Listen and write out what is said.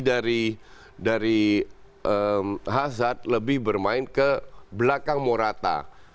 jadi dari hazard lebih bermain ke belakang morata